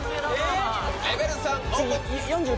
レベル３。